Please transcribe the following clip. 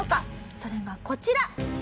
それがこちら！